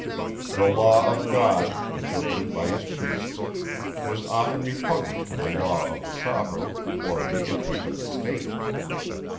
The law of God, interpreted by his priests, was often repugnant to the law of the sovereign, or the interest of the state.